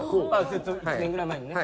１年ぐらい前にね。